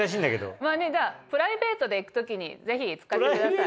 じゃあプライベートで行く時にぜひ使ってください。